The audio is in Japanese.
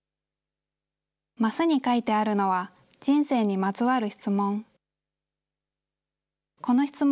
マスに書いてあるのは人生にまつわる質問。